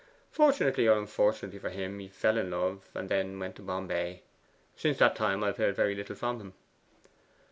Fortunately or unfortunately for him he fell in love, and then went to Bombay. Since that time I have heard very little of him.